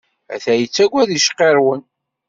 Atḥa yettaggad icqirrwen.